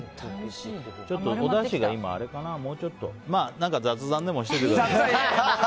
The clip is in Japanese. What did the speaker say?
何か雑談でもしててください。